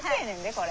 これ。